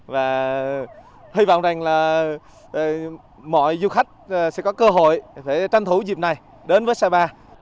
và hy vọng rằng là mọi du khách sẽ có cơ hội để tranh thủ dịp này đến với sapa